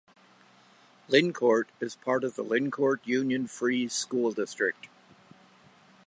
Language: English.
Lyncourt is part of the Lyncourt Union-Free School District.